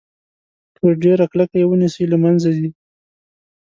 که ډیره کلکه یې ونیسئ له منځه ځي.